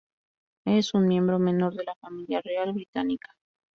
Es un miembro menor de la Familia Real Británica.